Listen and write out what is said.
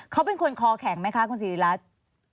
เขาเป็นคนคอแข็งไหมคะคุณสิริรัตน์